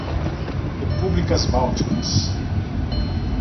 Repúblicas Bálticas